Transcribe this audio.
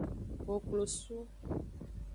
Koklosu.